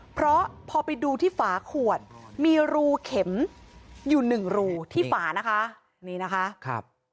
เพราะพอไปดูที่ฝาขวดมีรูเข็มอยู่๑รูที่ฝานี้นะคะ